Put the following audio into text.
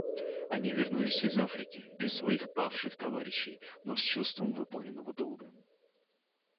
Они вернулись из Африки без своих павших товарищей, но с чувством выполненного долга.